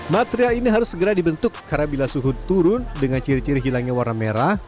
material ini harus segera dibentuk karena bila suhu turun dengan ciri ciri hilangnya warna merah